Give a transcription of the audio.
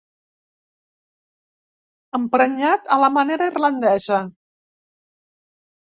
Emprenyat a la manera irlandesa.